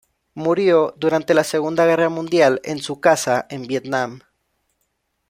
Murió durante la Segunda Guerra Mundial en su casa en Vietnam.